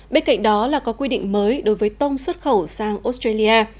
bên cạnh đó là có quy định mới đối với tôn xuất khẩu sang australia